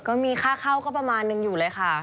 ก็มีค่าเข้าก็ประมาณนึงอยู่เลยค่ะ